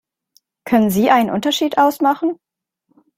Können Sie einen Unterschied ausmachen?